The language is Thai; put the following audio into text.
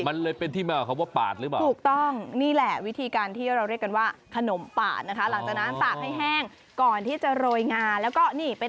มันเลยเป็นที่มากับคำว่าปาดหรือเปล่าถูกต้องนี่แหละวิธีการที่เราเรียกกันว่าขนมปาดนะคะ